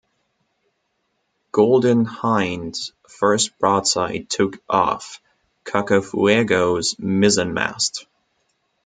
"Golden Hind"s first broadside took off "Cacafuego"s mizzenmast.